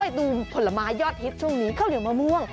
ไปดูผลไม้ยอดฮิตช่วงนี้ข้าวเหนียวมะม่วง